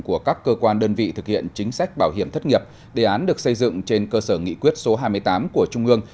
của các cơ quan đơn vị thực hiện chính sách bảo hiểm thất nghiệp đề án được xây dựng trên cơ sở nghị quyết số hai mươi tám của trung ương